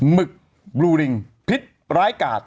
หึกบลูริงพิษร้ายกาด